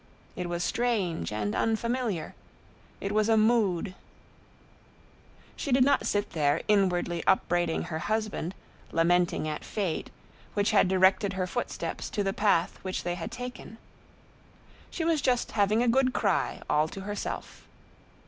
It was strange and unfamiliar; it was a mood. She did not sit there inwardly upbraiding her husband, lamenting at Fate, which had directed her footsteps to the path which they had taken. She was just having a good cry all to herself.